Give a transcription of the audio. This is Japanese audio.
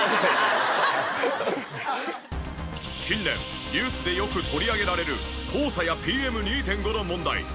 近年ニュースでよく取り上げられる黄砂やＰＭ２．５の問題。